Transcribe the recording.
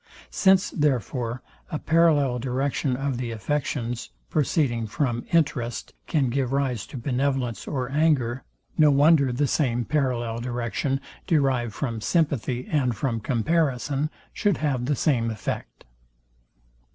Since, therefore, a parallel direction of the affections, proceeding from interest, can give rise to benevolence or anger, no wonder the same parallel direction, derived from sympathy and from comparison, should have the same effect.